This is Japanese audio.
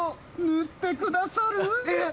塗ってくださる？え！